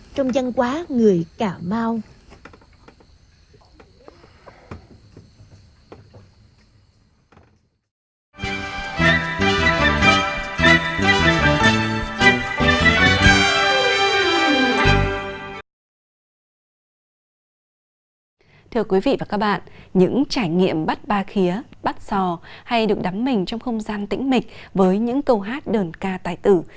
thưa quý vị và các bạn những trải nghiệm bắt ba khía bắt giò hay được đắm mình trong không gian tĩnh mịch với những câu hát đờn ca tài tử